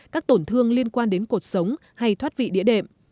các tổn thương liên quan đến cuộc sống hay thoát vị địa đệm